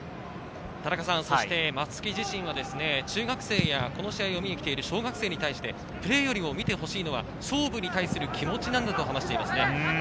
松木自身は中学生やこの試合を見に来ている小学生に対して、プレーよりも見てほしいのは勝負に対する気持ちなんだと話しています。